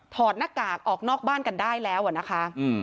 หน้ากากออกนอกบ้านกันได้แล้วอะนะคะ